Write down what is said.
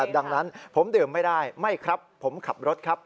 ดังนั้นผมดื่มไม่ได้ไม่ครับผมขับรถครับ